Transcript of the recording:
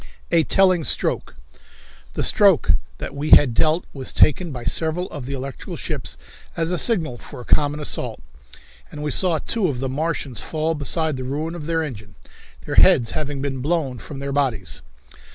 A Telling Stroke. The stroke that we had dealt was taken by several of the electrical ships as a signal for a common assault, and we saw two of the Martians fall beside the ruin of their engine, their heads having been blown from their bodies.